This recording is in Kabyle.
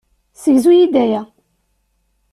Segzu-yi-d aya.